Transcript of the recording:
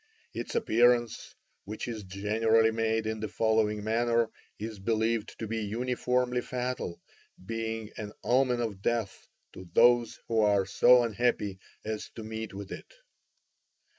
Its appearance, which is generally made in the following manner, is believed to be uniformly fatal, being an omen of death to those who are so unhappy as to meet with it.